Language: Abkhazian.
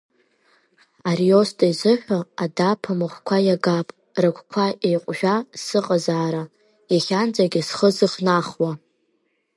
Ариосто изыҳәа адаԥа махәқәа иагап рыгәқәа еиҟәжәа сыҟазаара иахьанӡагьы зхы зыхнахуа…